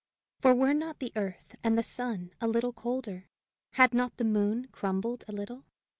For were not the earth and the sun a little colder? Had not the moon crumbled a little?